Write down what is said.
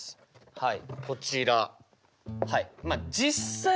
はい。